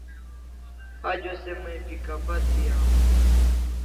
Ajo se mai pi kapha thi aw